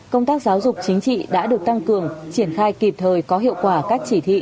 công tác giáo dục chính trị đã được tăng cường triển khai kịp thời có hiệu quả các chỉ thị